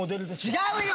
違うよ！